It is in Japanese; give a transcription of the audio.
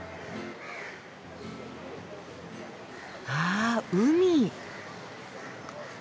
あ海。